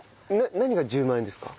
何が１０万円ですか？